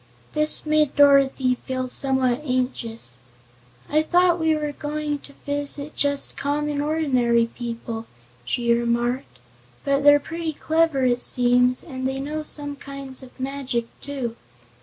This made Dorothy feel somewhat anxious. "I'd thought we were going to visit just common, ordinary people," she remarked, "but they're pretty clever, it seems, and they know some kinds of magic, too.